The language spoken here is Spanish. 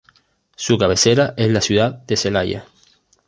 Su cabecera es la ciudad de Celaya.